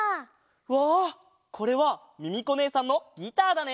うわこれはミミコねえさんのギターだね。